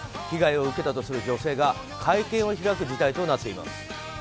被害を受けたとする女性が会見を開く事態となっています。